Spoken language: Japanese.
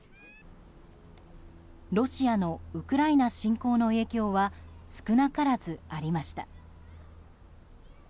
ロシアのウクライナ侵攻の影響は少なからずありました。